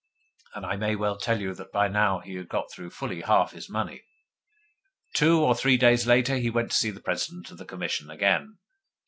(And I may tell you that by now he had got through fully half his money.) Two or three days later he went to see the President of the Commission again.